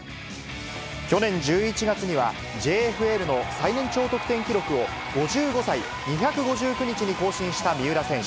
去年１１月には、ＪＦＬの最年長得点記録を５５歳２５９日に更新した三浦選手。